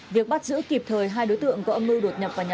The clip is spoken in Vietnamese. việc bắt giữ kịp thời hai đối tượng có âm mưu đột nhập vào nhà